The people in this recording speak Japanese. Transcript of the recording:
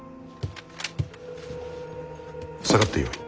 下がってよい。